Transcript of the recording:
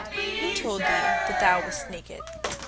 "Who told thee that thou wast naked?